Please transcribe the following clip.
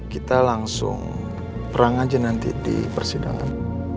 kita langsung perang aja nanti di persidangan